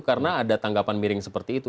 karena ada tanggapan miring seperti itu